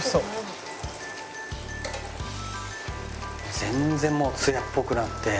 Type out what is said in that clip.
全然もう艶っぽくなって。